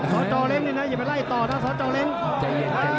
สจเล้งนี่นะอย่าไปไล่ต่อนะสจเล้ง